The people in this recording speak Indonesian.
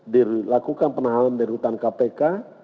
dilakukan penahanan di rutan kpk